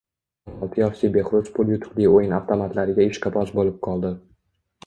O'n olti yoshli Behruz pul yutuqli o‘yin avtomatlariga ishqiboz bo‘lib qoldi.